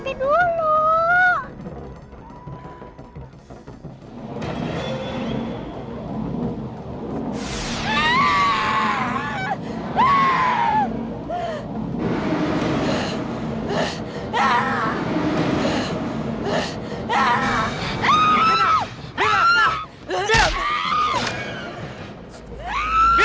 mirah bawa mirah mirah